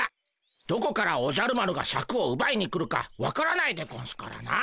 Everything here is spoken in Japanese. どこからおじゃる丸がシャクをうばいに来るかわからないでゴンスからな。